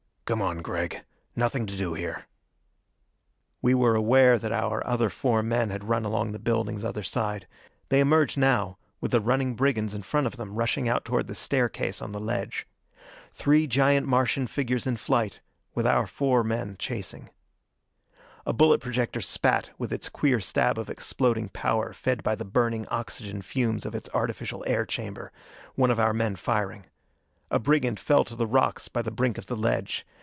Come on, Gregg; nothing to do here." We were aware that our other four men had run along the building's other side. They emerged now with the running brigands in front of them, rushing out toward the staircase on the ledge. Three giant Martian figures in flight, with our four men chasing. A bullet projector spat, with its queer stab of exploding powder fed by the burning oxygen fumes of its artificial air chamber one of our men firing. A brigand fell to the rocks by the brink of the ledge.